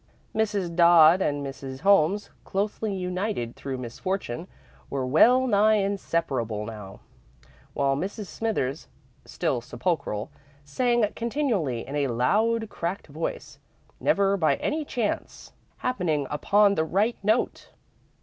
Mrs. Dodd and Mrs. Holmes, closely united through misfortune, were well nigh inseparable now, while Mrs. Smithers, still sepulchral, sang continually in a loud, cracked voice, never by any chance happening upon the right note.